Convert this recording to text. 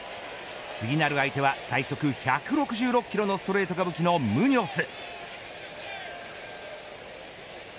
次なる相手は、最速１６６キロのストレートが武器のムニョス。